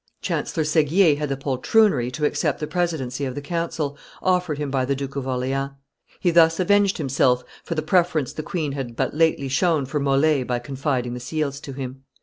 Chancellor Seguier had the poltroonery to accept the presidency of the council, offered him by the Duke of Orleans; he thus avenged himself for the preference the, queen had but lately shown for Mole by confiding the seals to him.